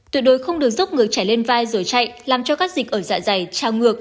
tuyệt đối không được giúp ngược trẻ lên vai rồi chạy làm cho các dịch ở dạ dày trao ngược